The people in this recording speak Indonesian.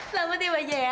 selamat ya baca ya